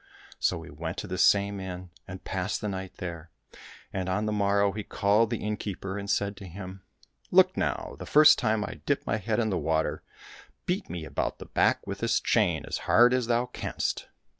So he went to this same inn and passed the night there, and, on the morrow, he called the innkeeper, and said to him, '' Look now ! the first time I dip my head in the water, beat me about the back with this chain as hard as thou canst."